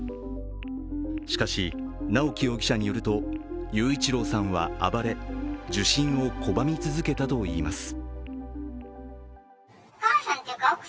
しかし直樹容疑者によると雄一郎さんは暴れ受診を拒み続けたといいます。